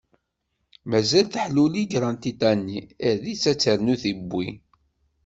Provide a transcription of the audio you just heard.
Mazal teḥluli granṭiṭa-nni, err-itt ad ternu tiwwi.